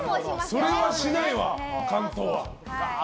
それはしないわ、関東は。